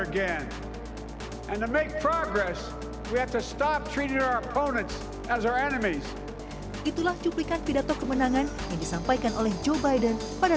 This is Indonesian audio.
dan untuk membuat amerika diperhatikan di seluruh dunia lagi